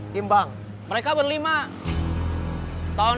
tambah lagi casi dissemon